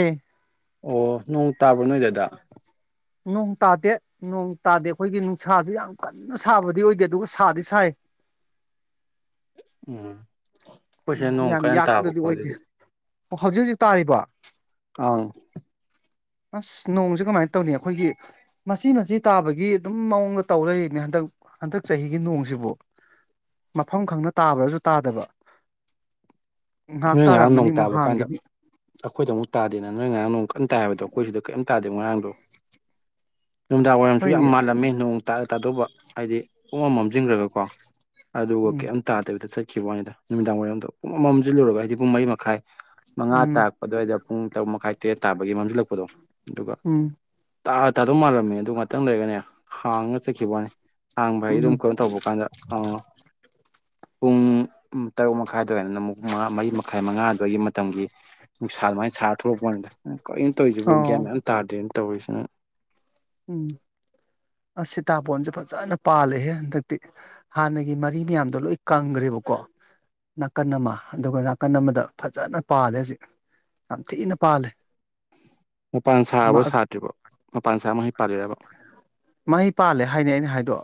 ꯍ ꯑꯣ ꯅꯣꯡ ꯇꯥꯕ꯭ꯔ ꯅꯣꯏꯗꯗ꯫ ꯅꯣꯡ ꯇꯥꯗꯦ ꯅꯣꯡ ꯇꯥꯗꯦ ꯑꯩꯈꯣꯏꯒꯤ ꯅꯨꯡꯁꯥꯁꯨ ꯌꯥꯝ ꯀꯟꯅ ꯁꯥꯕꯗꯤ ꯑꯣꯏꯗꯦ ꯑꯗꯨꯒ ꯁꯥꯗꯤ ꯁꯥꯏ꯫ ꯎꯝ ꯑꯩꯈꯣꯏꯁꯦ ꯅꯣꯡ ꯌꯥꯝ ꯀꯅ ꯌꯥꯛꯄꯗꯗꯤ ꯇꯥꯕꯀꯣ ꯑꯣꯏꯗꯦ ꯑꯗꯨꯗꯤ ꯑꯣ ꯍꯧꯖꯤꯛ ꯍꯧꯖꯤꯛ ꯇꯥꯔꯤꯕꯣ꯫ ꯑꯥꯎ ꯑꯁ ꯅꯣꯡꯁꯦ ꯀꯃꯥꯏꯅ ꯇꯧꯅꯤ ꯑꯩꯈꯣꯏꯒꯤ ꯃꯆꯤ ꯃꯆꯤ ꯇꯥꯕꯒꯤ ꯑꯗꯨꯝ ꯃꯑꯣꯡꯗ ꯇꯧ ꯂꯩꯌꯦꯅꯦ ꯍꯟꯗꯛ ꯍꯟꯗꯛ ꯆꯍꯤꯒꯤ ꯅꯣꯡꯁꯤꯕꯨ꯫ ꯃꯐꯝ ꯈꯪꯅ ꯇꯥꯕ꯭ꯔꯁꯨ ꯇꯥꯗꯕ ꯉꯥꯏꯍꯥꯛ ꯅꯣꯏ ꯉꯔꯥꯡ ꯅꯣꯡ ꯇꯥꯔꯝꯃꯅꯤ ꯑꯃꯨꯛ ꯇꯥꯕ ꯀꯥꯟꯗ ꯍꯥꯡꯈꯤꯅꯤ꯫ ꯑꯩꯈꯣꯏꯗ ꯑꯃꯨꯛ ꯇꯥꯗꯦꯗ ꯅꯣꯏ ꯉꯔꯥꯡ ꯅꯣꯡ ꯀꯟ ꯇꯥꯏ ꯍꯥꯏꯕꯗꯣ ꯑꯩꯈꯣꯏꯁꯤꯗ ꯀꯩꯝ ꯇꯗꯦ ꯉꯔꯥꯡꯗꯣ ꯅꯨꯡꯗꯥꯡ ꯋꯥꯏꯔꯝꯁꯨ ꯌꯥꯝ ꯍꯣꯏꯅꯦ ꯃꯥꯜꯂꯝꯃꯦ ꯅꯣꯡ ꯇꯥꯗ ꯇꯥꯗꯧꯕ ꯍꯥꯏꯗꯤ ꯄꯨꯡ ꯃꯝ ꯃꯝꯁꯤꯟꯈ꯭ꯔꯒ ꯀꯣ ꯑꯗꯨꯒ ꯎꯝ ꯀꯩꯝ ꯇꯥꯗꯕꯤꯗ ꯆꯠꯈꯤꯕꯩ ꯋꯥꯅꯤꯗ ꯅꯨꯃꯤꯗꯥꯡ ꯋꯥꯏꯔꯝꯗ ꯄꯨꯡꯃꯝ ꯃꯝ ꯃꯝꯁꯤꯜꯂꯨꯔꯕ ꯍꯥꯏꯗꯤ ꯄꯨꯡ ꯃꯔꯤ ꯃꯈꯥꯏ ꯃꯉꯥ ꯎꯝ ꯇꯥ ꯑꯗꯨꯋꯥꯏꯗ ꯄꯨꯡ ꯇꯔꯨꯛ ꯃꯈꯥꯏ ꯇꯔꯦꯠ ꯇꯥꯕꯒꯤ ꯃꯝꯁꯤꯜꯂꯛꯄꯗꯣ ꯑꯗꯨꯒ ꯎꯝ ꯇꯥꯗ ꯇꯥꯗꯧ ꯃꯥꯜꯂꯝꯃꯦ ꯑꯗꯨ ꯉꯥꯛꯇꯪ ꯂꯩꯔꯒꯅꯦ ꯍꯥꯡꯉꯒ ꯆꯠꯈꯤꯕꯩ ꯋꯥꯅꯦ꯫ ꯍꯥꯡꯕ ꯍꯥꯏꯗꯤ ꯑꯗꯨꯝ ꯎꯝ ꯀꯩꯅꯣ ꯇꯧꯕ ꯀꯥꯟꯗ ꯑꯥ ꯄꯨꯡ ꯇꯔꯨꯛ ꯃꯈꯥꯏ ꯑꯗꯥꯏꯅ ꯄꯨꯡ ꯃꯉꯥ ꯃꯔꯤ ꯃꯈꯥꯏ ꯃꯉꯥ ꯑꯗꯨꯋꯥꯏꯒꯤ ꯃꯇꯝꯒꯤ꯫ ꯅꯨꯡꯁꯥ ꯑꯗꯨꯃꯥꯏꯅ ꯁꯥꯔ ꯊꯣꯛꯂꯛꯄꯩ ꯋꯥꯅꯤꯗ ꯀꯔꯤꯅꯣ ꯇꯧꯔꯤꯁꯤꯕꯣ ꯒ꯭ꯌꯥꯟ ꯑꯣ ꯃꯦꯟ ꯑꯝ ꯇꯥꯗ꯭ꯔꯦꯅ ꯇꯧꯔꯤꯁꯤ꯫ ꯎꯝ ꯑꯁ ꯁꯤꯇꯥꯄꯣꯟꯁꯦ ꯐꯖꯅ ꯄꯥꯜꯂꯦꯍꯦ ꯍꯟꯗꯛꯇꯤ꯫ ꯍꯥꯟꯅꯒꯤ ꯃꯔꯤ ꯃꯌꯥꯝꯗꯣ ꯂꯣꯏ ꯀꯪꯈ꯭ꯔꯦꯕꯀꯣ꯫ ꯅꯥꯀꯟ ꯑꯃ ꯑꯗꯨꯒ ꯅꯥꯀꯟ ꯑꯃꯗ ꯐꯖꯅ ꯄꯥꯜꯂꯦ ꯍꯧꯖꯤꯛ꯫ ꯌꯥꯝ ꯊꯤꯅ ꯄꯥꯜꯂꯦ꯫ ꯃꯄꯥꯟ ꯁꯥꯔꯕꯣ ꯑꯃ ꯁꯥꯗꯔꯤꯕꯣ ꯃꯄꯥꯟ ꯁꯥꯔ ꯃꯍꯩ ꯄꯥꯜꯂꯤꯔꯕ꯫ ꯃꯍꯩ ꯄꯥꯜꯂꯦ ꯍꯥꯏꯅꯦ ꯑꯩꯅ ꯍꯥꯏꯗꯣ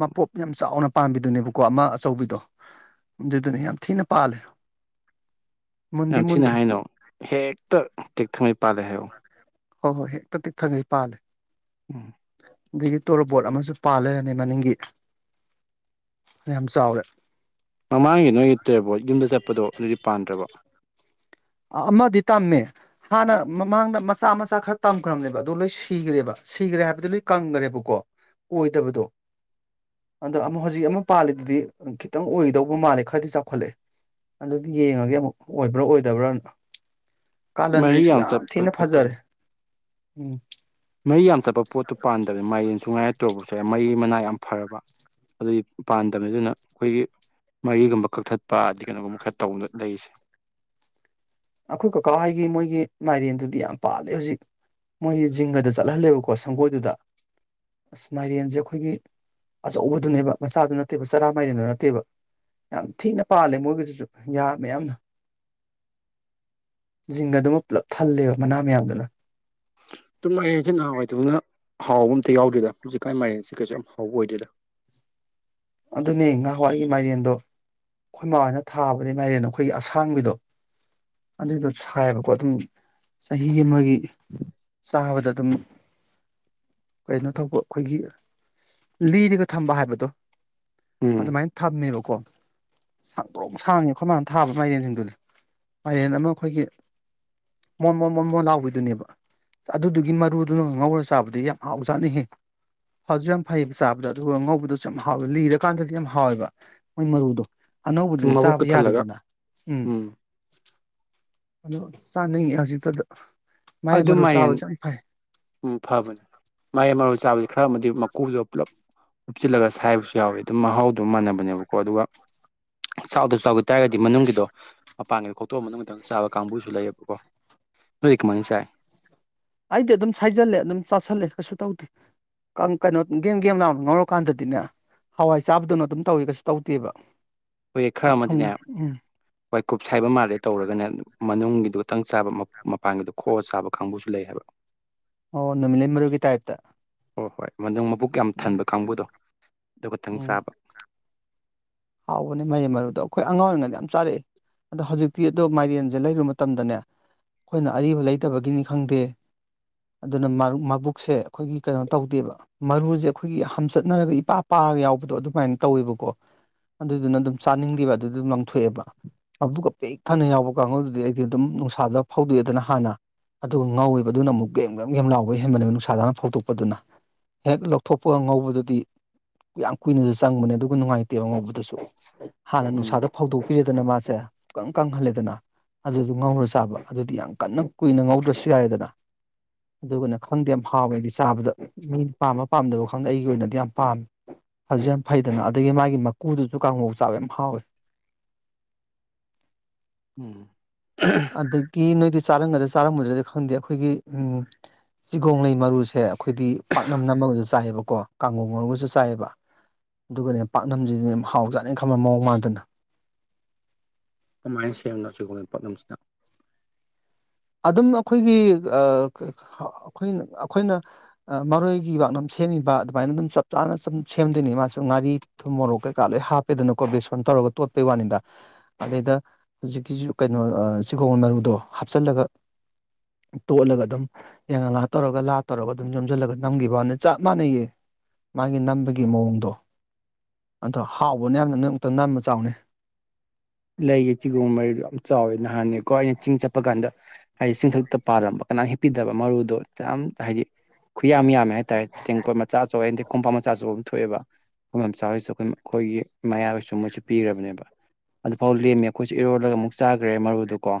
ꯃꯄꯣꯞ ꯌꯥꯝ ꯆꯥꯎꯅ ꯄꯥꯝꯕꯤꯗꯨꯅꯦꯕꯀꯣ ꯑꯃ ꯑꯆꯧꯕꯤꯗꯣ ꯑꯗꯨꯗꯨꯅ ꯌꯥꯝ ꯊꯤꯅ ꯄꯥꯜꯂꯦ꯫ ꯃꯨꯟꯗꯤ ꯌꯥꯝ ꯊꯤꯅ ꯃꯨꯟꯗ꯭ꯔꯤ ꯍꯥꯏꯅꯣ ꯍꯦꯛꯇ ꯇꯦꯛꯊꯉꯩ ꯄꯥꯜꯂꯦ ꯍꯥꯏꯌꯣ꯫ ꯍꯣꯏ ꯍꯣꯏ ꯍꯦꯛꯇ ꯇꯦꯛꯊꯉꯩ ꯄꯥꯜꯂꯦ꯫ [inaudible] ꯑꯗꯒꯤ ꯇꯣꯔꯣꯕꯣꯠ ꯑꯃꯁꯨ ꯄꯥꯜ ꯂꯩꯔꯝꯃꯦ ꯃꯅꯤꯡꯒꯤ ꯌꯥꯝ ꯆꯥꯎꯔꯦ꯫ ꯃꯃꯥꯡꯒꯤ ꯅꯣꯏꯒꯤ ꯇꯣꯔꯣꯕꯣꯠ ꯌꯨꯝꯗ ꯆꯠꯄꯗꯣ ꯑꯗꯨꯗꯤ ꯄꯥꯟꯗ꯭ꯔꯕꯣ꯫ ꯑꯥ ꯑꯃꯗꯤ ꯇꯝꯃꯦ꯫ ꯍꯥꯟꯅ ꯃꯃꯥꯡꯗ ꯃꯆꯥ ꯃꯆꯥ ꯈꯔ ꯇꯝꯈ꯭ꯔꯕꯅꯦꯕ ꯑꯗꯣ ꯂꯣꯏ ꯁꯤꯈ꯭ꯔꯦꯕ ꯁꯤꯈ꯭ꯔꯦ ꯍꯥꯏꯕꯗꯤ ꯂꯣꯏ ꯀꯪꯈ꯭ꯔꯦꯕꯀꯣ꯫ ꯑꯣꯏꯗꯕꯗꯣ ꯑꯗꯣ ꯑꯃꯨꯛ ꯍꯧꯖꯤꯛ ꯑꯃ ꯄꯥꯜꯂꯤꯗꯨꯗꯤ ꯈꯤꯇꯪ ꯑꯣꯏꯒꯗꯧꯕ ꯃꯥꯜꯂꯦ ꯈꯔꯗꯤ ꯆꯥꯎꯈꯠꯂꯛꯑꯦ꯫ ꯑꯗꯨꯗꯤ ꯌꯦꯡꯉꯒꯦ ꯑꯃꯨꯛ ꯑꯣꯏꯕ꯭ꯔꯥ ꯑꯣꯏꯗꯕ꯭ꯔꯥ ꯃꯔꯤ ꯀꯥꯂꯥꯟꯗ꯭ꯔꯤꯁꯨ ꯌꯥꯝ ꯆꯠꯄ ꯊꯤꯅ ꯐꯖꯔꯦ꯫ ꯐꯠꯇꯕꯅꯤ ꯃꯔꯤ ꯌꯥꯝ ꯆꯠꯄ ꯄꯣꯠꯇꯨ ꯄꯥꯟꯗꯕꯅꯦ ꯃꯥꯏꯔꯦꯟꯁꯨꯨꯡ ꯉꯥꯏꯔꯦ ꯇꯣꯔꯣꯕꯣꯠꯁꯨ ꯉꯥꯏꯔꯦ ꯃꯔꯤ ꯃꯅꯥ ꯌꯥꯝ ꯐꯔꯕ ꯑꯗꯨꯒꯤ ꯄꯥꯟꯗꯕꯅꯤ ꯗꯨꯅ ꯑꯩꯈꯣꯏꯒꯤ ꯃꯔꯤꯒꯨꯝꯕ ꯀꯛꯊꯠꯄ ꯑꯗꯩ ꯀꯩꯅꯣꯒꯨꯝꯕ ꯈꯔ ꯇꯧꯔꯥ ꯂꯩꯔꯤꯁꯦ ꯑꯩꯈꯣꯏ ꯀꯀꯥ ꯍꯣꯏꯒꯤ ꯃꯣꯏꯒꯤ ꯃꯥꯏꯔꯦꯟꯗꯨꯗꯤ ꯌꯥꯝ ꯄꯥꯜꯂꯦ ꯍꯧꯖꯤꯛ ꯃꯣꯏꯗꯤ ꯖꯤꯡꯒꯗ ꯆꯠꯍꯜꯂꯦꯕꯀꯣ ꯑꯣ ꯁꯪꯒꯣꯏꯗꯨꯗ ꯑꯁ ꯃꯥꯏꯔꯦꯟꯁꯦ ꯑꯩꯈꯣꯏꯒꯤ ꯑꯆꯧꯕꯗꯨꯅꯦꯕ ꯃꯆꯥꯗꯨ ꯅꯠꯇꯦꯕ ꯆꯔꯥ ꯃꯥꯏꯔꯦꯟꯗꯨ ꯅꯠꯇꯦꯕ ꯌꯥꯝ ꯊꯤꯅ ꯄꯥꯜꯂꯦ ꯃꯣꯏꯒꯤꯗꯨꯁꯨ ꯌꯥꯝ ꯃꯌꯥꯝ ꯖꯤꯡꯒꯗꯨꯃ ꯄꯨꯜꯂꯞ ꯊꯜꯂꯦꯕ ꯃꯅꯥ ꯃꯌꯥꯝꯗꯨꯅ ꯑꯗꯨ ꯃꯥꯏꯔꯦꯟꯁꯦ ꯅꯍꯥꯟꯋꯥꯏꯗꯧꯅ ꯍꯥꯎꯕ ꯑꯝꯇ ꯌꯥꯎꯗꯔꯦꯗ ꯍꯧꯖꯤꯛꯀꯥꯟꯒꯤ ꯃꯥꯏꯔꯦꯟꯁꯦ ꯀꯩꯁꯨ ꯌꯥꯝ ꯍꯥꯎꯕ ꯑꯣꯏꯗꯔꯦꯗ ꯑꯗꯨꯅꯦ ꯉꯍꯥꯟꯋꯥꯏꯒꯤ ꯃꯥꯏꯔꯦꯟꯗꯣ ꯑꯩꯈꯣꯏ ꯃꯥꯍꯣꯏꯅ ꯊꯥꯕꯗꯤ ꯃꯥꯏꯔꯦꯟ ꯗꯣ ꯑꯩꯈꯣꯏꯒꯤ ꯑꯁꯥꯡꯕꯤꯗꯣ ꯑꯗꯨꯗꯣ ꯊꯥꯏꯌꯦꯕꯀꯣ ꯑꯗꯨꯝ ꯆꯍꯤ ꯑꯃꯒꯤ ꯆꯥꯕꯗ ꯑꯗꯨꯝ ꯀꯩꯅꯣ ꯇꯧꯕ ꯑꯩꯈꯣꯏꯒꯤ ꯂꯤꯔꯒ ꯊꯝꯕ ꯍꯥꯏꯕꯗꯣ ꯎꯝ ꯑꯗꯨꯃꯥꯏꯅ ꯊꯝꯃꯦꯕꯀꯣ ꯁꯥꯡꯗꯔꯣꯡ ꯁꯥꯡꯉꯦ ꯑꯩꯈꯣꯏ ꯃꯥꯅ ꯊꯥꯕ ꯃꯥꯏꯔꯦꯟꯁꯤꯡꯗꯨꯗꯤ ꯃꯥꯏꯔꯦꯟ ꯑꯃ ꯑꯩꯈꯣꯏꯒꯤ ꯃꯣꯟ ꯃꯣꯟ ꯃꯣꯟ ꯃꯣꯟ ꯂꯥꯎꯕꯤꯗꯨꯅꯦꯕ ꯑꯗꯨꯗꯨꯒꯤ ꯃꯔꯨꯗꯨꯅ ꯉꯧꯔꯒ ꯆꯥꯕꯗ ꯌꯥꯝ ꯍꯥꯎ ꯆꯥꯅꯩꯍꯦ ꯍꯥꯎꯁꯨ ꯌꯥꯝ ꯐꯩꯌꯦꯕ ꯆꯥꯕꯗꯣ ꯑꯗꯨꯒ ꯉꯧꯕꯗꯁꯨ ꯌꯥꯝ ꯍꯥꯎꯋꯦ ꯂꯤꯔꯀꯥꯟꯗꯗꯤ ꯌꯥꯝ ꯍꯥꯎꯋꯦꯕ ꯃꯣꯏ ꯃꯔꯨꯗꯣ ꯑꯅꯧꯕꯗꯨꯗꯤ ꯃꯕꯨꯛꯀ ꯆꯥꯕ ꯊꯜꯂꯒ ꯌꯥꯗꯦꯗꯅ ꯎꯝ ꯑꯗꯣ ꯆꯥꯅꯤꯡꯉꯦ ꯍꯧꯖꯤꯛꯇꯗ ꯑꯗꯨꯝꯃꯥꯏꯌꯦꯟ ꯎ ꯐꯕꯅꯦ ꯃꯔꯩ ꯃꯔꯣꯡ ꯆꯥꯕꯕꯁꯤ ꯈꯔ ꯑꯃꯗꯤ ꯃꯀꯨꯗꯣ ꯄꯨꯜꯂꯞ ꯎꯞꯁꯤꯤꯜꯂꯒ ꯁꯥꯏꯕꯁꯨ ꯌꯥꯎꯋꯤ ꯑꯗꯨꯝ ꯃꯍꯥꯎ ꯑꯗꯨꯝ ꯃꯥꯟꯅꯕꯅꯦꯕꯀꯣ ꯑꯗꯨꯒ ꯆꯥꯎꯥꯛꯗ ꯆꯥꯎꯈꯤ ꯇꯥꯔꯒꯗꯤ ꯃꯅꯨꯡꯒꯤꯗꯣ ꯃꯄꯥꯟꯒꯤꯗ ꯈꯣꯛꯇꯣꯛꯑ ꯃꯇꯨꯡꯒꯤꯊꯪ ꯆꯥꯕ ꯀꯥꯡꯕꯨꯁꯨ ꯂꯩꯌꯦꯕꯀꯣ ꯃꯁꯥꯏ ꯑꯩꯗꯤ ꯑꯗꯨꯝ ꯁꯥꯏꯖꯜꯂꯦ ꯑꯗꯨꯝ ꯆꯥꯥꯁꯜꯂꯦ ꯀꯩꯁꯨ ꯇꯧꯗꯦ ꯀꯩꯅꯣ ꯒꯦꯝ ꯒꯦꯝ ꯂꯥꯎꯅ ꯉꯥꯎꯔ ꯀꯥꯟꯗꯗꯤꯅꯦ ꯍꯋꯥꯏ ꯆꯥꯕꯗꯨꯅ ꯑꯗꯨꯝ ꯇꯧꯋ ꯀꯩꯁꯨ ꯇꯧꯗꯦꯕ ꯍꯣꯏ ꯈꯔ ꯊꯨꯝ ꯑꯃꯗꯤꯅꯦ ꯎꯝ ꯍꯣꯏ ꯀꯨꯞꯁ ꯍꯥꯏꯕ ꯃꯥꯜꯂꯦ ꯇꯧꯔꯒꯅꯦ ꯃꯅꯨꯡꯒꯤꯗꯨ ꯈꯤꯇꯪ ꯆꯥꯕ ꯃꯄꯥꯟꯒꯤꯗꯣ ꯈꯣꯑ ꯆꯥꯕ ꯀꯥꯡꯕꯨꯁꯨ ꯂꯩ ꯍꯥꯏꯕ [unintelligible] ꯑꯣ ꯅꯨꯃꯤꯠ ꯂꯩꯩ ꯃꯔꯨꯒꯤ ꯇꯥꯏꯞꯇ ꯍꯣꯏ ꯍꯣꯏ ꯃꯅꯨꯡ ꯃꯕꯨꯛ ꯌꯥꯝ ꯎꯝ ꯊꯟꯕ ꯀꯥꯡꯕꯨꯗꯣ ꯑꯗꯨ ꯈꯇꯪ ꯎꯝ ꯆꯥꯕ ꯍꯥꯎꯕꯅꯦ ꯃꯩ ꯃꯔꯨꯗꯣ ꯑꯩꯈꯣꯏ ꯑꯉꯥꯡ ꯑꯣꯏꯔꯤꯉꯗ ꯌꯥꯝ ꯆꯥꯔꯛꯑꯏ ꯑꯗꯣ ꯍꯧꯖꯤꯛꯇꯤ ꯑꯗꯣ ꯃꯥꯏꯔꯦꯟꯁꯦ ꯂꯩꯔꯨꯕ ꯃꯇꯝꯗꯅꯦ ꯑꯩꯈꯣꯏꯅ ꯑꯔꯤꯕ ꯂꯩꯇꯕꯒꯤꯅꯤ ꯈꯪꯗꯦ ꯑꯗꯨꯅ ꯃꯕꯨꯛꯁꯦ ꯑꯩꯈꯣꯏꯒꯤ ꯀꯩꯅꯣ ꯇꯧꯗꯦꯕ ꯃꯔꯨꯁꯦ ꯑꯩꯈꯣꯏꯒꯤ ꯍꯝꯆꯠꯅꯔꯒ ꯏꯄꯥ ꯄꯥꯔꯒ ꯌꯥꯎꯕꯗꯣ ꯑꯗꯨꯃꯥꯏꯅ ꯇꯧꯋꯦꯕꯀꯣ ꯑꯗꯨꯗꯨꯅ ꯑꯗꯨꯝ ꯆꯥꯅꯤꯡꯗꯦꯕ ꯑꯗꯨꯗ ꯑꯗꯨꯝ ꯂꯪꯊꯣꯛꯑꯦꯕ ꯑꯗꯨꯒ ꯄꯦꯛ ꯊꯅ ꯌꯥꯎꯕ ꯀꯥꯡꯒꯗꯨꯗꯤ ꯑꯩꯗꯤ ꯑꯗꯨꯝ ꯅꯨꯡꯁꯥꯗ ꯐꯥꯎꯗꯣꯛꯑꯦꯗꯅ ꯍꯥꯟꯅ ꯑꯗꯨꯒ ꯉꯥꯎꯕꯗꯨꯅ ꯑꯃꯨꯛ ꯒꯦꯝꯒꯒꯦꯝ ꯂꯥꯎꯕꯩ ꯍꯦꯟꯕꯅꯦ ꯅꯨꯡꯁꯥꯖꯥꯅ ꯐꯧꯗꯣꯛꯄꯗꯨꯅ ꯍꯦꯛ ꯂꯧꯊꯣꯛꯄ ꯉꯧꯕꯗꯨꯗꯤ ꯌꯥꯝ ꯀꯨꯏꯅꯁꯨ ꯆꯪꯕꯅꯦ ꯑꯗꯨꯒ ꯅꯨꯡꯉꯥꯏꯇꯦꯕ ꯉꯧꯕꯗꯨ ꯑꯗꯨꯁꯨ ꯍꯥꯟꯅ ꯎꯝ ꯅꯨꯡꯁꯥꯗ ꯐꯧꯗꯣꯛꯄꯤꯔꯦꯗꯅ ꯃꯥꯁꯦ ꯀꯪ ꯀꯪꯍꯜꯂꯦꯗꯅ ꯑꯗꯨꯗꯨꯣ ꯉꯧꯔ ꯆꯥꯕ ꯑꯗꯨꯗꯤ ꯌꯥꯝ ꯀꯟꯅ ꯀꯨꯏꯅ ꯉꯧꯗ꯭ꯔꯁꯨ ꯌꯥꯔꯦꯗꯅ ꯑꯗꯨꯒꯅ ꯈꯪꯗꯦ ꯌꯥꯝ ꯍꯥꯎꯋꯦ ꯍꯥꯏꯗꯤ ꯆꯥꯕꯗ ꯃꯤꯅ ꯄꯥꯝꯝꯕ ꯄꯥꯝꯗꯕ ꯈꯪꯗꯦ ꯑꯩꯒꯤ ꯑꯣꯏꯅꯗꯤ ꯌꯥꯝ ꯄꯥꯝꯃꯦ ꯑꯗꯨꯁꯨ ꯌꯥꯝ ꯐꯩꯗꯅ ꯑꯗꯒꯤ ꯃꯥꯒꯤ ꯃꯀꯨꯗꯨꯁꯨ ꯀꯥꯡꯉꯧ ꯆꯥꯕ ꯌꯥꯝ ꯍꯥꯎꯋꯤ ꯎꯝ ꯑꯗꯒꯤ ꯅꯣꯏꯗꯤ ꯆꯥꯔꯝꯒꯗ꯭ꯔ ꯆꯥꯔꯝꯃꯗ꯭ꯔꯗꯤ ꯈꯪꯗꯦ ꯑꯩꯈꯣꯏꯒꯤ ꯎꯝ ꯆꯤꯒꯣꯡꯂꯩ ꯃꯔꯨꯁꯦ ꯑꯩꯈꯣꯏꯗꯤ ꯄꯥꯛꯅꯝ ꯅꯝꯃꯒꯁꯨ ꯆꯥꯏꯌꯦꯕꯀꯣ ꯀꯥꯡꯒꯣꯡ ꯃꯔꯨꯒꯁꯨ ꯆꯥꯏꯌꯦꯕ ꯑꯗꯨꯒꯅꯦ ꯄꯥꯛꯅꯁꯤꯅꯅꯦ ꯍꯥꯎ ꯆꯥꯠꯅꯦꯅ ꯈꯪꯕ ꯃꯑꯣꯡ ꯃꯥꯟꯗꯅ ꯀꯃꯥꯏꯅ ꯁꯦꯝꯅꯣ ꯁꯤꯒꯨꯝꯕ ꯄꯥꯛꯅꯝꯁꯤꯅ ꯑꯗꯨꯝ ꯑꯩꯈꯣꯏꯒꯤ ꯑꯥ ꯑꯈꯣꯏꯅ ꯑꯈꯣꯏꯅ ꯃꯔꯣꯏꯒꯤ ꯕꯥꯛꯅꯝ ꯁꯦꯝꯃꯤꯕ ꯑꯗꯨꯃꯥꯏꯅ ꯑꯗꯨꯝ ꯆꯞ ꯆꯥꯅ ꯁꯨꯝ ꯁꯦꯝꯗꯣꯏꯅꯤ ꯃꯥꯁꯨ ꯉꯥꯔꯤ ꯊꯨꯝ ꯃꯣꯔꯣꯛ ꯀꯩꯀꯥ ꯂꯣꯏ ꯍꯥꯞꯄꯦꯗꯅꯀꯣ ꯕꯦꯁꯣꯟ ꯇꯧꯔꯒ ꯇꯣꯠꯄꯩ ꯋꯥꯅꯤꯗ ꯑꯗꯨꯗꯩꯗ ꯍꯧꯖꯤꯛꯀꯤꯁꯨ ꯀꯩꯅꯣ ꯑꯥ ꯆꯤꯒꯣꯡ ꯃꯔꯨꯗꯣ ꯍꯥꯞꯆꯤꯜꯂꯒ ꯇꯣꯠꯂꯒ ꯑꯗꯨꯝ ꯌꯥꯡꯉꯂꯥ ꯇꯧꯔꯒ ꯂꯥ ꯇꯧꯔꯒ ꯑꯗꯨꯝ ꯌꯣꯝꯁꯤꯜꯂꯒ ꯅꯝꯈꯤꯕ ꯋꯥꯅꯦ ꯆꯞ ꯃꯥꯟꯅꯩꯌꯦ ꯃꯥꯒꯤ ꯅꯝꯕꯒꯤ ꯃꯑꯣꯡꯗꯣ ꯑꯗꯣ ꯍꯥꯎꯕꯅꯦ ꯌꯥꯝꯅ ꯅꯪ ꯑꯝꯇꯥ ꯅꯝꯃꯥ ꯆꯥꯎꯅꯦ ꯂꯩꯒꯤ ꯆꯤꯒꯣꯝ ꯃꯔꯤꯗꯣ ꯌꯥꯝ ꯆꯥꯎꯋꯦ ꯅꯍꯥꯟꯅꯦꯀꯣ ꯑꯩ ꯆꯤꯡ ꯆꯠꯄ ꯀꯥꯟꯗ ꯍꯥꯏꯗꯤ ꯆꯤꯡꯊꯛꯇ ꯄꯥꯜꯂꯝꯕ ꯀꯅꯥꯝ ꯍꯦꯛꯄꯤꯗꯕ ꯃꯔꯨꯗꯣ [unintelligible] ꯍꯥꯏꯗꯤ ꯈꯨꯌꯥꯝ ꯌꯥꯝꯃꯦ ꯍꯥꯏ ꯇꯥꯏ ꯇꯦꯡꯀꯣꯠ ꯃꯆꯥ [unintelligible] ꯀꯣꯝꯄꯥꯛ ꯃꯆꯥ ꯑꯆꯧꯕ ꯑꯃ ꯊꯣꯛꯑꯦꯕ ꯈꯣꯏ ꯃꯥꯝꯆꯥ ꯍꯣꯏꯁꯨ ꯑꯩꯈꯣꯏ ꯈꯣꯏꯒꯤ ꯃꯌꯥꯍꯣꯏꯁꯨ ꯃꯣꯏꯁꯨ ꯄꯤꯈ꯭ꯔꯕꯅꯦꯕ ꯑꯗꯨꯐꯥꯎ ꯂꯦꯝꯃꯦ ꯑꯩꯈꯣꯏꯁꯨ ꯏꯔꯣꯜꯂꯒ ꯑꯃꯨꯛ ꯆꯥꯈ꯭ꯔꯦ ꯃꯔꯨꯗꯨꯀꯣ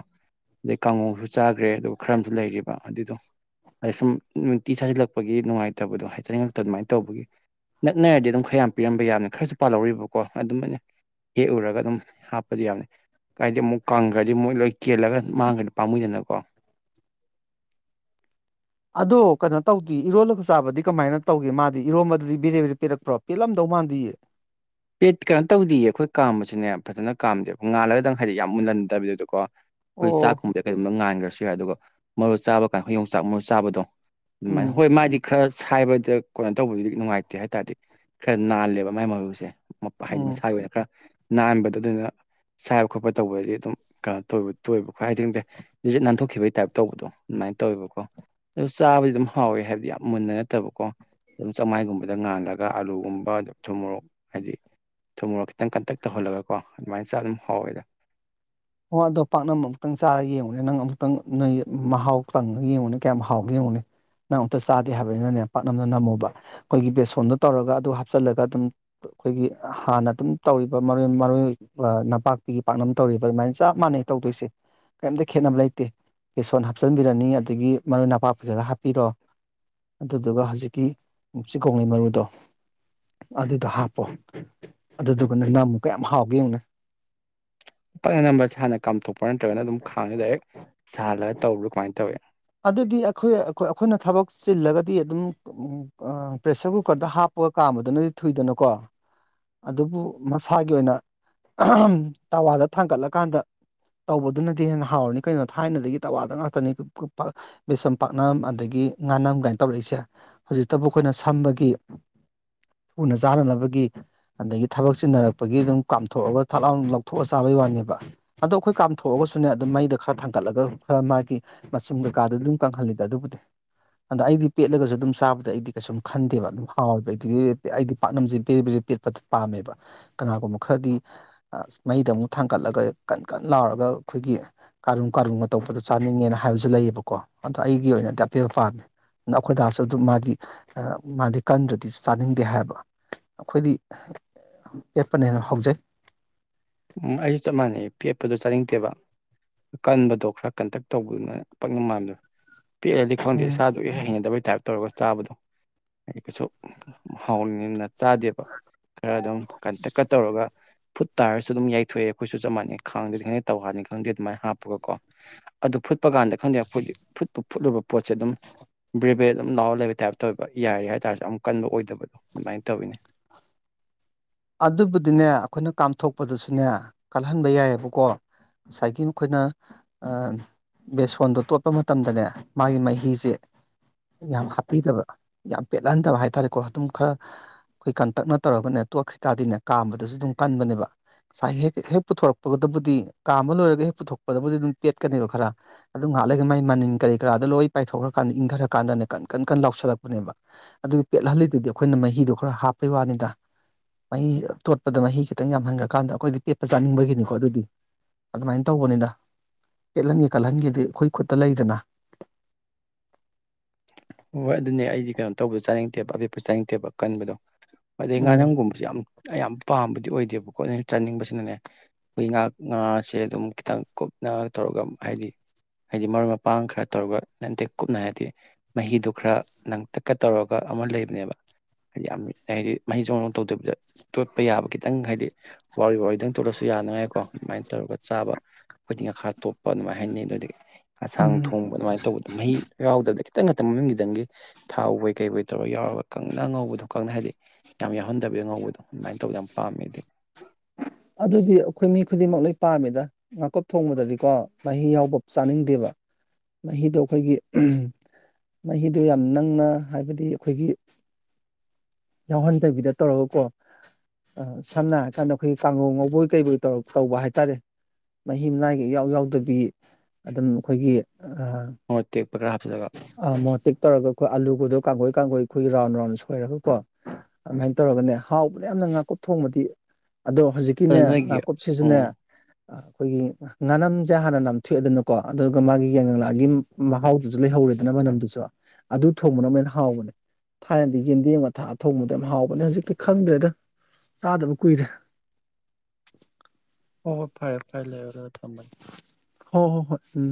ꯑꯗꯩ ꯀꯥꯡꯉꯧꯁꯨ ꯆꯥꯈ꯭ꯔꯦ ꯑꯗꯨꯒ ꯈꯔ ꯑꯃꯁꯨ ꯂꯩꯔꯤꯕ ꯑꯗꯨꯗꯣ ꯑꯗꯩ ꯁꯨꯝ ꯅꯨꯡꯇꯤ ꯁꯥꯁꯤꯜꯂꯛꯄꯒꯤ ꯅꯨꯡꯉꯥꯏꯇꯕꯗꯣ ꯍꯥꯏ ꯆꯅꯤꯡꯅꯤꯡꯉꯛꯇ ꯑꯗꯨꯃꯥꯏꯅ ꯇꯧꯕꯒꯤ ꯅꯛꯅꯔꯗꯤ ꯑꯗꯨꯝ ꯈꯌꯥꯝ ꯄꯤꯔꯝꯕ ꯌꯥꯕꯅꯦ ꯈꯔꯁꯨ ꯄꯥꯜꯍꯧꯔꯤꯕꯀꯣ [unintelligible] ꯍꯦꯛ ꯎꯔꯒ ꯑꯗꯨꯝ ꯍꯥꯞꯄꯗꯤ ꯌꯥꯕꯅꯦ ꯀꯥꯏꯗꯤ ꯑꯃꯨꯛ ꯀꯪꯈ꯭ꯔꯗꯤ ꯃꯣꯏ ꯂꯣꯏ ꯀꯦꯜꯂꯒ ꯃꯥꯡꯈ꯭ꯔꯗꯤ ꯄꯥꯝꯃꯨꯏꯗꯅꯀꯣ ꯑꯗꯨ ꯀꯩꯅꯣ ꯇꯧꯗꯤꯌꯦ ꯏꯔꯣꯜꯂꯒ ꯆꯥꯕꯗꯤ ꯀꯃꯥꯏꯅ ꯇꯧꯒꯦ ꯃꯥꯗꯤ ꯏꯔꯣꯝꯕꯗꯨꯗꯤ ꯕꯦꯗꯦ ꯕꯦꯗꯦ ꯄꯦꯠꯂꯛꯄ꯭ꯔꯣ ꯄꯦꯜꯂꯝꯗꯧ ꯃꯥꯥꯟꯗꯤꯌꯦ ꯄꯦꯠ ꯀꯩꯅꯣ ꯇꯧꯗꯤꯌꯦ ꯑꯩꯈꯣꯏ ꯀꯥꯝꯕꯁꯨꯅꯦ ꯐꯖꯅ ꯀꯥꯝꯗ꯭ꯔꯦꯕ ꯉꯥꯜꯂꯒꯗꯪ ꯍꯥꯏꯗꯤ ꯌꯥꯝ ꯃꯨꯟꯍꯟꯗꯕꯤꯗꯨꯗꯀꯣ ꯑꯩꯈꯣꯏ ꯑꯣ ꯆꯥꯛꯀꯨꯝꯕꯗꯤ ꯀꯩꯒꯨꯝꯕ ꯉꯥꯟꯈ꯭ꯔꯁꯨ ꯌꯥꯏ ꯑꯗꯨꯒ ꯃꯔꯨ ꯆꯥꯕ ꯀꯥꯟ ꯈꯣꯏ ꯌꯣꯡꯆꯥꯛ ꯃꯔꯨ ꯆꯥꯕꯗꯣ ꯎꯝ ꯎꯝꯃꯥꯏꯅ ꯍꯣꯏ ꯃꯥꯗꯤ ꯈꯔ ꯁꯥꯏꯕꯗ ꯀꯣꯅꯣ ꯇꯧꯕꯅꯤꯅꯥ ꯅꯨꯡꯉꯥꯏꯇꯦ ꯍꯥꯏ ꯇꯥꯔꯗꯤ ꯈꯔ ꯅꯥꯜꯂꯦꯕ ꯃꯥꯏ ꯃꯔꯨꯁꯦ ꯍꯥꯏꯗꯤ ꯎꯝ ꯃꯁꯥꯒꯤ ꯑꯣꯏꯅ ꯈꯔ ꯅꯥꯟꯕꯗꯨꯗꯒꯥ ꯁꯥꯏꯕ ꯈꯣꯠꯄ ꯇꯧꯕꯗꯗꯤ ꯑꯗꯨꯝ ꯀꯥ ꯇꯧꯋꯤ ꯇꯣꯏꯕꯀꯣ ꯍꯥꯏꯗꯤ ꯈꯪꯗꯦ ꯖꯤꯠ ꯖꯤꯠ ꯅꯥꯟꯊꯣꯛꯈꯤꯕꯒꯤ ꯇꯥꯏꯞ ꯇꯧꯕꯗꯣ ꯑꯗꯨꯃꯥꯏꯅ ꯇꯧꯋꯦꯕꯀꯣ ꯑꯗꯨ ꯆꯥꯕꯗꯤ ꯑꯗꯨꯝ ꯍꯥꯎꯋꯦ ꯍꯥꯏꯕꯗꯤ ꯌꯥꯝ ꯃꯨꯟꯅ ꯅꯠꯇꯕꯀꯣ ꯑꯗꯨꯝ ꯆꯥꯛꯃꯥꯏꯒꯨꯝꯗ ꯉꯥꯜꯂꯒ ꯑꯥꯂꯨꯒꯨꯝꯕ ꯑꯗꯨ ꯊꯨꯝ ꯃꯣꯔꯣꯛ ꯍꯥꯏꯗꯤ ꯊꯨꯝ ꯃꯣꯔꯣꯛ ꯈꯤꯇꯪ ꯀꯟꯇꯛ ꯇꯧꯍꯜꯂꯒꯀꯣ ꯑꯗꯨꯃꯥꯏꯅ ꯆꯥ ꯑꯗꯨꯝ ꯍꯥꯎꯋꯦꯗ ꯑꯣ ꯑꯗꯣ ꯄꯥꯛꯅꯝ ꯑꯃꯨꯛꯇꯪ ꯆꯥꯔꯒ ꯌꯦꯡꯉꯨꯅꯦ ꯅꯪ ꯑꯃꯨꯛꯇꯪ ꯅꯣꯏ ꯃꯍꯥꯎ ꯇꯪꯉ ꯌꯦꯡꯉꯨꯅꯦ ꯀꯌꯥꯝ ꯍꯥꯎꯒꯦ ꯌꯦꯡꯉꯨꯅꯦ ꯅꯪ ꯑꯃꯨꯛꯇ ꯆꯥꯗꯦ ꯍꯥꯏꯕꯅꯤꯅꯅꯦ ꯄꯥꯛꯅꯝꯗꯣ ꯅꯝꯃꯣꯕ ꯑꯩꯈꯣꯏꯒꯤ ꯕꯦꯁꯣꯟꯗꯣ ꯇꯧꯔꯒ ꯑꯗꯨ ꯍꯥꯞꯆꯤꯜꯂꯒ ꯑꯗꯨꯝ ꯑꯩꯈꯣꯏꯒꯤ ꯍꯥꯟꯅ ꯑꯗꯨꯝ ꯇꯧꯔꯤꯕ ꯃꯔꯣꯏ ꯃꯔꯣꯏ ꯑꯥ ꯅꯄꯥꯛꯄꯤꯒꯤ ꯄꯥꯛꯅꯝ ꯇꯧꯔꯤ ꯕꯃꯥꯏ ꯆꯞ ꯃꯥꯟꯅꯩ ꯇꯧꯗꯣꯏꯁꯦ ꯀꯩꯝꯇ ꯈꯦꯠꯅꯕ ꯂꯩꯇꯦ ꯕꯦꯁꯣꯟ ꯍꯥꯞꯆꯤꯟꯕꯤꯔꯅꯤ ꯑꯗꯒꯤ ꯃꯔꯣꯏ ꯅꯄꯥꯛꯄꯤ ꯈꯔ ꯍꯥꯞꯄꯤꯔꯣ ꯑꯗꯨꯗꯨꯒ ꯍꯧꯖꯤꯛꯀꯤ ꯆꯤꯀꯣꯡꯂꯩ ꯃꯔꯨꯗꯣ ꯑꯗꯨꯗꯣ ꯍꯥꯞꯄꯣ ꯑꯗꯨꯗꯨꯒꯅꯦ ꯅꯝꯃꯨ ꯀꯌꯥꯝ ꯍꯥꯎꯒꯦ ꯌꯦꯉꯨꯅꯦ ꯄꯛꯅ ꯅꯝꯕ꯭ꯔꯥ ꯍꯥꯟꯅ ꯀꯥꯝꯊꯣꯛꯄ꯭ꯔꯥ ꯅꯠꯇ꯭ꯔꯒꯅ ꯑꯗꯨꯝ ꯈꯥꯡꯗ ꯗꯥꯏꯔꯦꯛ ꯁꯥꯍꯜꯂꯒ ꯇꯧꯕ꯭ꯔꯥ ꯀꯃꯥꯏꯅ ꯇꯧꯋꯤ ꯑꯗꯨꯗꯤ ꯑꯈꯣꯏ ꯑꯈꯣꯏ ꯑꯈꯣꯏꯅ ꯊꯕꯛ ꯆꯤꯜꯂꯒꯗꯤ ꯑꯗꯨꯝ ꯑꯥ ꯄ꯭ꯔꯦꯁꯔ ꯀꯨꯀꯔꯗ ꯍꯥꯞꯄꯒ ꯀꯥꯝꯕꯗꯨꯅꯗꯤ ꯊꯨꯏꯗꯅꯀꯣ ꯑꯗꯨꯕꯨ ꯃꯁꯥꯒꯤ ꯑꯣꯏꯅ ꯇꯋꯥꯗ ꯊꯥꯡꯒꯠꯂꯀꯥꯟꯗ ꯇꯧꯕꯗꯨꯅꯗꯤ ꯍꯦꯟꯅ ꯍꯥꯎꯔꯅꯤ ꯀꯩꯅꯣ ꯊꯥꯏꯅꯗꯒꯤ ꯇꯋꯥꯗ ꯉꯥꯛꯇꯅꯤ [unintelligible] ꯕꯦꯁꯣꯟ ꯄꯥꯛꯅꯝ ꯑꯗꯒꯤ ꯉꯥꯅꯝ ꯀꯥꯏꯅ ꯇꯧꯔꯛꯏꯁꯦ ꯍꯧꯖꯤꯛꯇꯕꯨ ꯑꯩꯈꯣꯏꯅ ꯁꯝꯕꯒꯤ ꯎꯅ ꯆꯥꯅꯅꯕꯒꯤ ꯑꯗꯒꯤ ꯊꯕꯛ ꯆꯤꯟꯅꯔꯛꯄꯒꯤ ꯑꯗꯨꯝ ꯀꯥꯝꯊꯣꯛꯑꯒ ꯊꯠ ꯂꯥꯎ ꯂꯧꯊꯣꯛꯑ ꯆꯥꯕꯩ ꯋꯥꯅꯦꯕ ꯑꯗꯣ ꯈꯣꯏ ꯀꯥꯝꯊꯣꯛꯑꯒꯁꯨꯅꯦ ꯑꯗꯨꯝ ꯃꯩꯗꯥ ꯈꯔ ꯊꯥꯡꯒꯠꯂꯒ ꯈꯔ ꯃꯥꯒꯤ ꯃꯁꯨꯝ ꯀꯩꯀꯥꯗꯨ ꯑꯗꯨꯝ ꯀꯪꯍꯜꯂꯤꯗ ꯑꯗꯨꯕꯨꯗꯤ ꯑꯗ ꯑꯩꯗꯤ ꯄꯦꯠꯂꯒꯁꯨ ꯑꯗꯨꯝ ꯆꯥꯕꯗ ꯑꯩꯗꯤ ꯀꯩꯁꯨꯝ ꯈꯟꯗꯦꯕ ꯑꯗꯨꯝ ꯍꯥꯎꯋꯦꯕ ꯑꯩꯗꯤ [unintelligible] ꯑꯩꯗꯤ ꯄꯥꯛꯠꯅꯝꯁꯦ ꯕꯦꯔꯦ ꯕꯦꯔꯦꯄꯦꯠ ꯄꯗꯤ ꯄꯥꯝꯃꯦꯕ ꯀꯅꯥꯒꯨꯝꯕ ꯈꯔꯗꯤ ꯑꯥ ꯃꯩꯗ ꯑꯃꯨꯛ ꯊꯥꯡꯀꯠꯂꯒ ꯀꯟ ꯀꯟ ꯂꯥꯎꯔꯒ ꯑꯩꯈꯣꯏꯒꯤ ꯀꯥꯔꯨꯝ ꯀꯥꯔꯨꯡꯒ ꯇꯧꯕꯗꯣ ꯆꯥꯅꯤꯡꯉꯦꯅ ꯍꯥꯏꯕꯁꯨ ꯂꯩꯌꯦꯕꯀꯣ ꯑꯗꯣ ꯑꯩꯒꯤ ꯑꯣꯏꯅꯗꯤ ꯑꯄꯦꯠꯄ ꯄꯥꯝꯃꯦ ꯅꯥ ꯑꯈꯣꯏꯗꯥꯁꯨ ꯑꯗꯨꯝ ꯃꯥꯗꯤ ꯑꯥ ꯃꯥꯗꯤ ꯀꯟꯗ꯭ꯔꯗꯤ ꯆꯥꯅꯤꯡꯗꯦ ꯍꯥꯏꯕ ꯑꯈꯣꯏꯗꯤ ꯄꯦꯞꯄꯅ ꯍꯦꯟꯅ ꯍꯥꯎꯖꯩ ꯎꯝ ꯑꯩꯁꯨ ꯆꯞ ꯃꯥꯟꯅꯩ ꯄꯦꯠꯄꯗꯣ ꯆꯥꯅꯤꯡꯇꯦꯕ ꯀꯟꯕꯗꯣ ꯈꯔ ꯀꯟꯇꯦꯛ ꯇꯧꯕꯗꯨꯅ ꯄꯛꯅ ꯃꯥꯟꯗ ꯄꯤꯛꯑꯗꯤ ꯈꯪꯗꯦ ꯏꯁꯥꯗ ꯑꯗꯨꯛꯀꯤ ꯍꯩꯅꯗꯕꯩ ꯇꯥꯏꯞ ꯇꯧꯔꯒ ꯆꯥꯕꯗꯣ ꯑꯩ ꯀꯩꯁꯨ ꯍꯥꯎꯔꯤꯅꯤꯅ ꯆꯥꯗꯦꯕ ꯈꯔ ꯑꯗꯨꯝ ꯀꯟꯇꯀꯠ ꯇꯧꯔꯒ ꯐꯨꯠ ꯇꯥꯔꯁꯨ ꯁꯨ ꯑꯗꯨꯝ ꯌꯏꯊꯣꯛꯑꯦ ꯑꯩꯈꯣꯏꯁꯨ ꯆꯞ ꯃꯥꯟꯅꯩ ꯈꯥꯡꯗꯦꯗꯤ ꯈꯪꯗꯦ ꯇꯧꯍꯅꯤ ꯈꯪꯗꯦ ꯑꯗꯨꯃꯥꯏ ꯍꯥꯞꯄꯒꯀꯣ ꯑꯗꯨ ꯐꯨꯠꯄ ꯀꯥꯟꯗ ꯈꯪꯗꯦ ꯑꯩꯈꯣꯏꯗꯤ ꯐꯨꯠꯄ ꯐꯨꯠꯂꯨꯕ ꯄꯣꯠꯁꯦ ꯑꯗꯨꯝ ꯕ꯭ꯔꯦꯕꯦꯗ ꯑꯗꯨꯝ ꯂꯥꯎꯔ ꯂꯩꯕ ꯇꯥꯏꯞꯇ ꯑꯣꯏꯕ ꯌꯥꯏꯔꯦ ꯍꯥꯏꯇꯥꯥꯔꯁꯨ ꯑꯗꯨꯝ ꯀꯟꯕ ꯑꯣꯏꯗꯕ ꯗꯣ ꯑꯗꯨꯃꯥꯏꯅ ꯇꯧꯋꯤꯅꯦ ꯑꯗꯨꯕꯨꯗꯤꯅꯦ ꯑꯩꯈꯣꯏꯅ ꯀꯥꯝꯊꯣꯛꯄꯗꯁꯨꯅꯦ ꯀꯜꯍꯟꯕ ꯌꯥꯏꯑꯕꯀꯣ ꯉꯁꯥꯏꯒꯤ ꯃꯈꯣꯏꯅ ꯕꯦꯁꯣꯟꯗꯣ ꯇꯣꯠꯄ ꯃꯇꯝꯗꯅꯦ ꯃꯥꯒꯤ ꯃꯍꯤꯁꯦ ꯌꯥꯝ ꯍꯥꯞꯄꯤꯗꯕ ꯌꯥꯝ ꯄꯦꯠꯍꯟꯗꯕ ꯍꯥꯏꯇꯥꯔꯦꯀꯣ ꯑꯗꯨꯝ ꯈꯔ ꯑꯩꯈꯣꯏ ꯀꯟꯇꯛꯅ ꯇꯧꯔꯒꯅꯦ ꯇꯣꯠꯈ꯭ꯈꯤꯇꯥꯥꯔꯗꯤꯅꯦ ꯀꯥꯝꯕꯗꯁꯨ ꯑꯗꯨꯝ ꯀꯟꯕꯅꯦꯕ ꯉꯁꯥꯏ ꯍꯦꯛꯦꯛ ꯍꯦꯛ ꯄꯨꯊꯣꯔꯛꯄꯒꯗꯕꯨꯗꯤ ꯀꯥ ꯑꯃ ꯂꯣꯏꯔꯒ ꯍꯦꯛ ꯄꯨꯊꯣꯛꯄꯗꯕꯨꯗꯤ ꯑꯗꯨꯝ ꯄꯦꯠꯀꯅꯦꯕ ꯈꯔ ꯑꯗꯨꯝ ꯉꯍꯥꯛꯂꯒ ꯃꯥꯏ ꯃꯅꯤꯟ ꯀꯔꯤ ꯀꯔꯥꯗꯣ ꯂꯣꯏ ꯄꯥꯏꯊꯣꯛꯈ꯭ꯔꯀꯥꯟꯗ ꯏꯪꯊꯔ ꯀꯥꯟꯗꯅꯦ ꯀꯟ ꯀꯟ ꯀꯟ ꯂꯥꯎꯁꯜꯂꯛꯄꯅꯦꯕ ꯑꯗꯨ ꯄꯦꯠꯍꯜꯂꯤꯗꯨꯗꯤ ꯑꯩꯈꯣꯏꯅ ꯃꯍꯤꯗꯣ ꯈꯔ ꯍꯥꯞꯄꯩ ꯋꯥꯅꯤꯗ ꯃꯍꯤ ꯇꯣꯠꯄꯗ ꯃꯍꯤ ꯈꯤꯇꯪ ꯌꯥꯝꯍꯟꯈ꯭ꯔꯀꯥꯟꯗ ꯑꯩꯈꯣꯏꯗꯤ ꯄꯦꯠꯄ ꯆꯥꯅꯤꯡꯕꯒꯤꯅꯤꯀꯣ ꯑꯗꯨꯗꯤ ꯑꯗꯨꯃꯥꯏꯅ ꯇꯧꯕꯅꯤꯗ ꯄꯦꯠꯍꯟꯒꯦ ꯀꯠꯍꯟꯒꯦꯗꯤ ꯑꯩꯈꯣꯏ ꯈꯨꯠꯇ ꯂꯩꯗꯅ ꯍꯣꯏ ꯑꯗꯨꯅꯦ ꯑꯩꯗꯤ ꯀꯩꯅꯣ ꯇꯧꯕꯗ ꯆꯥꯅꯤꯡꯗꯦꯕ ꯑꯄꯤꯦꯛꯄ ꯆꯥꯅꯤꯡꯗꯦꯕ ꯀꯟꯕꯗꯣ ꯑꯗꯩ ꯎꯝ ꯉꯥꯅꯝꯒꯨꯝꯕ ꯌꯥꯝ ꯌꯥꯝ ꯄꯥꯝꯕꯗꯤ ꯑꯣꯏꯗꯦꯕꯀꯣꯠ ꯆꯥꯅꯤꯡꯕꯁꯤꯅꯅꯦ ꯑꯩꯈꯣꯏ ꯉꯥ ꯉꯥꯁꯦ ꯑꯗꯨꯝ ꯈꯤꯇꯪ ꯀꯨꯞꯅ ꯇꯧꯔꯒ ꯍꯥꯏꯗꯤ ꯍꯥꯏꯗꯤ ꯃꯔꯨꯞ ꯃꯄꯥꯡ ꯈꯔ ꯇꯧꯔꯒ ꯅꯇꯦꯛ ꯀꯨꯞꯅ ꯍꯥꯏꯔꯗꯤ ꯃꯍꯤꯗꯨ ꯈꯔ ꯅꯪ ꯇꯛꯀ ꯇꯧꯔꯒ ꯑꯃ ꯂꯩꯕꯅꯦꯕ ꯍꯥꯏꯗꯤ ꯌꯥꯝ ꯍꯥꯏꯗꯤ ꯃꯍꯩ ꯆꯣꯡꯅ ꯇꯧꯗꯕꯤꯗ ꯇꯣꯠꯄ ꯌꯥꯕ ꯈꯤꯇꯪ ꯍꯥꯏꯗꯤ ꯋꯥꯔꯤ ꯋꯥꯗꯪ ꯇꯂꯁꯨ ꯌꯥꯅꯉꯥꯏꯀꯣ ꯑꯗꯨꯃꯥꯏꯅ ꯇꯧꯔꯒ ꯆꯥꯕ ꯑꯩꯈꯣꯏꯗꯤ ꯉꯥꯈꯥ ꯇꯣꯞꯄ ꯑꯗꯨꯃꯥꯏꯅ ꯍꯥꯏꯅꯤꯩ ꯑꯗꯨꯗꯒꯤ ꯑꯁꯥꯡ ꯎꯝ ꯊꯣꯡꯕ ꯑꯗꯨꯃꯥꯏꯅ ꯇꯧꯕꯗꯣ ꯃꯍꯤ ꯌꯥꯗꯤ ꯈꯤꯇꯪ ꯉꯛꯇ ꯃꯃꯤꯡꯒꯤꯗꯪꯒꯤ ꯊꯥꯎꯧꯕꯣꯏ ꯀꯩꯕꯣꯏ ꯇꯧꯔꯒ ꯌꯥꯎꯔꯒ ꯀꯪꯅ ꯉꯧꯕꯗꯣ ꯀꯪꯅ ꯍꯥꯏꯗꯤ ꯌꯥꯝ ꯌꯥꯎꯍꯟꯗꯕ ꯌꯥ ꯉꯧꯕꯗꯣ ꯑꯗꯨꯃꯥꯏꯅ ꯇꯧꯕꯗ ꯌꯥꯝ ꯄꯥꯝꯃꯦꯗꯤ ꯑꯗꯨꯗꯤ ꯑꯩꯈꯣꯏ ꯃꯤ ꯈꯨꯗꯤꯡꯃꯛ ꯂꯣꯏ ꯄꯥꯝꯃꯤꯗ ꯉꯥꯀꯨꯞ ꯊꯣꯡꯕꯗꯗꯤꯀꯣ ꯃꯍꯤ ꯌꯥꯎꯕ ꯆꯥꯅꯤꯡꯗꯦꯕ ꯃꯍꯤꯗꯣ ꯑꯩꯈꯣꯏꯒꯤ ꯃꯍꯤꯗꯨ ꯌꯥꯝ ꯅꯪꯅ ꯍꯥꯏꯕꯗꯤ ꯑꯩꯈꯣꯏꯒꯤ ꯌꯥꯎꯍꯟꯗꯕꯤꯗ ꯇꯧꯔꯒꯀꯣ ꯁꯝꯅ ꯍꯥꯏꯔꯀꯥꯟꯗ ꯑꯩꯈꯣꯏ ꯀꯥꯡ ꯉꯧꯕꯣꯏ ꯀꯩꯕꯣꯏꯧꯔ ꯇꯧꯕ ꯍꯥꯏꯇꯥꯔꯦ ꯃꯍꯤ ꯃꯅꯥꯏꯒ ꯏꯌꯥꯎ ꯌꯥꯎꯗꯕꯤ ꯑꯗꯨꯝ ꯑꯩꯈꯣꯏꯒꯤ ꯑꯣꯛ ꯄꯒ꯭ꯔ ꯍꯥꯖꯒ ꯑ ꯃꯣꯇꯤꯦꯛ ꯇꯧꯔꯒ ꯑꯩꯈꯣꯏ ꯑꯥꯂꯨꯕꯗꯣ ꯀꯥꯡꯒꯣꯏ ꯀꯥꯡꯒꯣꯏ ꯑꯩꯈꯣꯏꯒꯤ ꯔꯥꯎꯟ ꯔꯥꯎꯟ ꯁꯣꯏꯔꯒ ꯀꯣ ꯑꯗꯨꯃꯥꯏꯅ ꯇꯧꯔꯒꯅꯦ ꯍꯥꯎꯕꯗ ꯌꯥꯝꯅ ꯉꯥꯀꯨꯞ ꯊꯣꯡꯕꯗꯤ ꯑꯗꯣ ꯍꯧꯖꯤꯛ ꯑꯗꯨ ꯀꯅꯦ ꯅꯣꯏꯒꯤ ꯅꯥꯀꯨꯞ ꯁꯤꯖꯤꯟꯅ ꯎꯝ ꯑꯩꯈꯣꯏꯒꯤ ꯉꯥꯅꯝꯁꯦ ꯍꯥꯟꯅ ꯅꯥꯝꯊꯣꯛꯑꯦꯗꯅꯀꯣ ꯑꯗꯨꯒ ꯃꯥꯒꯤ ꯌꯥꯏꯉꯪꯂꯥꯒꯤ ꯃꯍꯥꯎ ꯑꯗꯨꯁꯨ ꯂꯩꯍꯧꯔꯦꯗꯅ ꯃꯅꯝꯗꯨꯁꯨ ꯑꯗꯨ ꯊꯣꯡꯕꯅ ꯃꯣꯏꯅ ꯍꯥꯎꯕꯅꯦ ꯊꯥꯏꯅꯗꯤ ꯌꯦꯟꯗꯦꯡ ꯃꯊꯥ ꯑ ꯊꯣꯡꯕꯗ ꯌꯥꯝ ꯍꯥꯎꯕꯅꯦ ꯍꯧꯖꯤꯛꯇꯤ ꯈꯪꯗ꯭ꯔꯦꯗ ꯆꯥꯗꯕ ꯀꯨꯏꯔꯦ ꯍꯣꯏ ꯍꯣꯏ ꯐꯔꯦ ꯐꯔꯦ ꯂꯩꯔ ꯂꯒ ꯊꯝꯃꯅꯤ ꯍꯣꯏ ꯍꯣ ꯍꯣꯏ ꯎꯝ